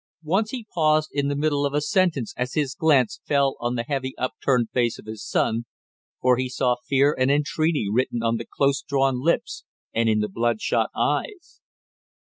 Once he paused in the middle of a sentence as his glance fell on the heavy upturned face of his son, for he saw fear and entreaty written on the close drawn lips and in the bloodshot eyes.